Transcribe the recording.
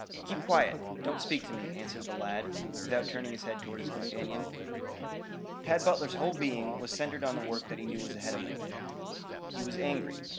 "Keep quiet. Don't speak to me," answered the lad, without turning his head toward his companion. Tad Butler's whole being was centered on the work that he knew was ahead of him. He was angry.